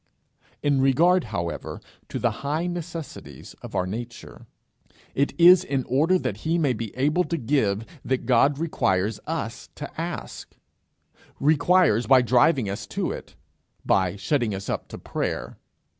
In regard, however, to the high necessities of our nature, it is in order that he may be able to give that God requires us to ask requires by driving us to it by shutting us up to prayer.